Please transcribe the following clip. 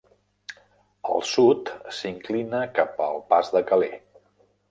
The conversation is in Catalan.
Al sud, s'inclina cap al pas de Calais.